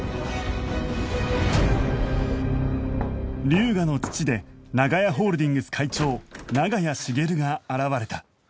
龍河の父で長屋ホールディングス会長長屋茂が現れた